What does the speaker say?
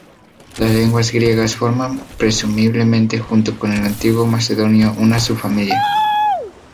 Las lenguas griegas forman presumiblemente junto con el antiguo macedonio una subfamilia.